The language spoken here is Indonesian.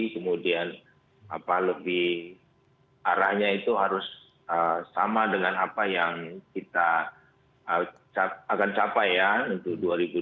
kemudian arahnya itu harus sama dengan apa yang kita akan capai ya untuk dua ribu dua puluh